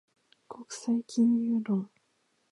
国際金融論